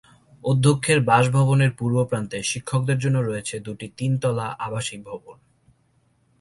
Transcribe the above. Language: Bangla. অধ্যক্ষের বাসভবনের পূর্বপ্রান্তে শিক্ষকদের জন্য রয়েছে দুটি তিন তলা আবাসিক ভবন।